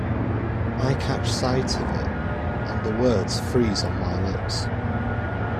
I catch sight of it, and the words freeze on my lips.